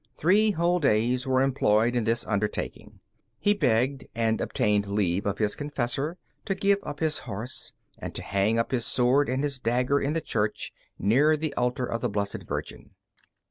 Three whole days were employed in this undertaking. He begged and obtained leave of his confessor to give up his horse, and to hang up his sword and his dagger in the church, near the altar of the Blessed Virgin.